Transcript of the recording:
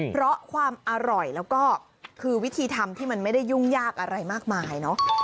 เพราะความอร่อยแล้วก็คือวิธีทำที่มันไม่ได้ยุ่งยากอะไรมากมายเนอะ